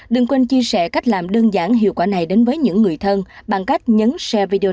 đừng quên chia sẻ cách làm đơn giản hiệu quả này đến với những người thân bằng cách nhấn xe video